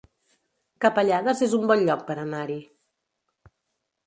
Capellades es un bon lloc per anar-hi